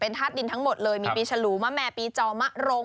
ธาตุดินทั้งหมดเลยมีปีฉลูมะแม่ปีจอมะรง